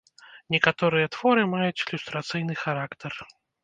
Некаторыя творы маюць ілюстрацыйны характар.